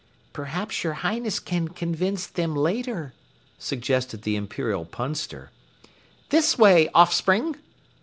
"Perhaps your Highness can convince them later," suggested the Imperial Punster. "This way, offspring."